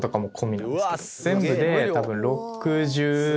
全部で多分。